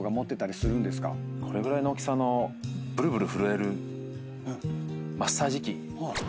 これぐらいの大きさのぶるぶる震えるマッサージ器。